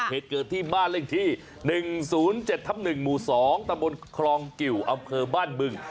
เหตุเกิดที่บ้านเลขที่๑๐๗ทับ๑หมู่๒ตะบนคลองกิวอำเภอบ้านบึง